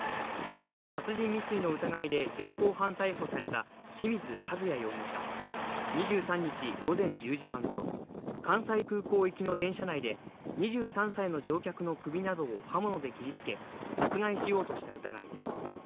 殺人未遂の疑いで現行犯逮捕された清水和也容疑者は、２３日午前１０時半ごろ、関西空港行きの電車内で、２３歳の乗客の首などを刃物で切りつけ、殺害しようとした疑いです。